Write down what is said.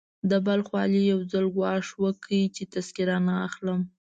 د بلخ والي يو ځل ګواښ وکړ چې تذکره نه اخلم.